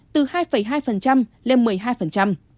từ hai hai lên một mươi hai